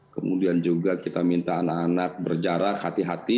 kemudian juga kita minta anak anak berjarak hati hati